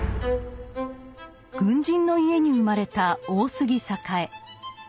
軍人の家に生まれた大杉栄。